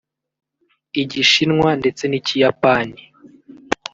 Igishinwa ndetse n’Ikiyapani